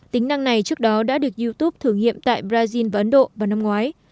tính năng này trước đó đã được youtube thử nghiệm tại brazil và ấn độ vào năm ngoái